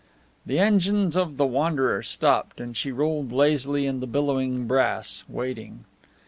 The engines of the Wanderer stopped, and she rolled lazily in the billowing brass, waiting.